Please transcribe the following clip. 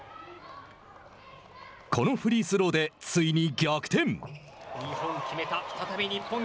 このフリースローでついに逆転。